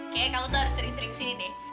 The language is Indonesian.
kayaknya kamu tuh harus sering sering kesini nih